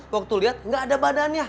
waktu lihat nggak ada badannya